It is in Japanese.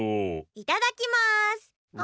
いただきます。